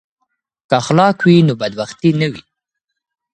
که اخلاق وي نو بدبختي نه وي.